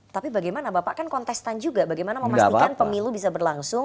tapi bagaimana bapak kan kontestan juga bagaimana memastikan pemilu bisa berlangsung